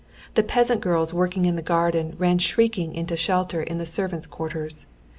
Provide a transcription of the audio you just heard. The peasant girls working in the garden ran shrieking into shelter in the servants' quarters.